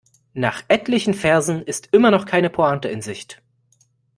Nach etlichen Versen ist immer noch keine Pointe in Sicht.